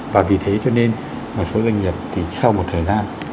và vì thế cho nên một số doanh nghiệp thì sau một thời gian